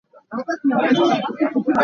Lalluai cu pasalṭha hrim a rak si.